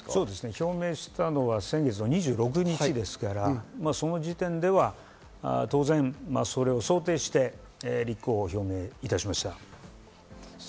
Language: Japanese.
表明したのは先月２６日ですから、その時点では、当然それを想定して、立候補を表明しました。